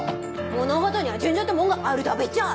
物事には順序ってもんがあるだべっちゃ！